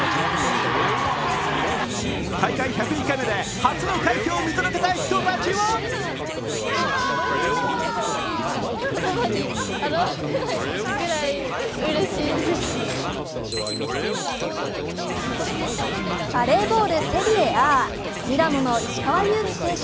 大会１０１回目で初の快挙を見届けた人たちはバレーボールセリエＡ、ミラノの石川祐希選手。